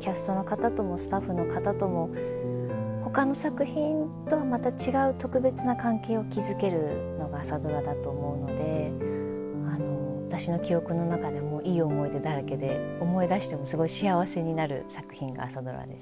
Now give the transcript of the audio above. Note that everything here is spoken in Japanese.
キャストの方ともスタッフの方ともほかの作品とはまた違う特別な関係を築けるのが「朝ドラ」だと思うので私の記憶の中でもいい思い出だらけで思い出してもすごい幸せになる作品が「朝ドラ」です。